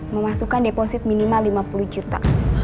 memasukkan deposit minimal lima puluh juta